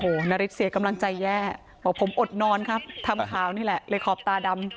โอ้โหนาริสเสียกำลังใจแย่บอกผมอดนอนครับทำขาวนี่แหละเลยขอบตาดำ